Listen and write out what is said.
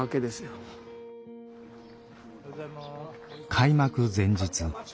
開幕前日。